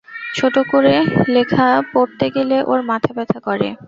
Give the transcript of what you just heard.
ছোটো কোনো লেখা পড়তে গেলে ওর মাথা ব্যথা করে।